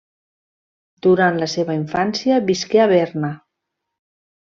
Durant la seva infància visqué a Berna.